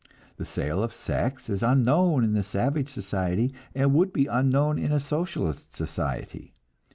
The sale of sex is unknown in savage society, and would be unknown in a Socialist society.